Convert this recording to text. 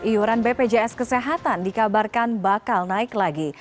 iuran bpjs kesehatan dikabarkan bakal naik lagi